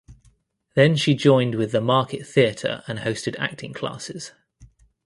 Then she joined with the Market Theatre and hosted acting classes.